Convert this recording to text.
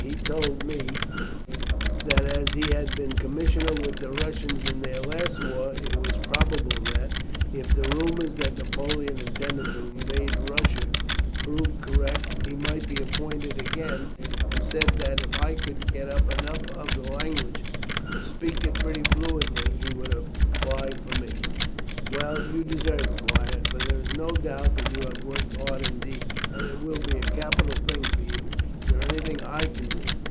He told me that as he had been commissioner with the Russians in their last war, it was probable that, if the rumours that Napoleon intended to invade Russia proved correct, he might be appointed again, and said that if I could get up enough of the language to speak it pretty fluently, he would apply for me." "Well, you deserve it, Wyatt; for there is no doubt that you have worked hard indeed; and it will be a capital thing for you. Is there anything I can do?"